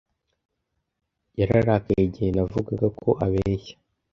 Yararakaye igihe navuga ko abeshya.